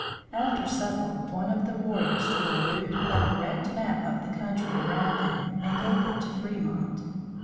After supper one of the warriors drew a rude but correct map of the country around them, and gave it to Fremont.